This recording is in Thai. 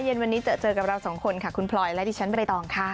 เย็นวันนี้เจอเจอกับเราสองคนค่ะคุณพลอยและดิฉันใบตองค่ะ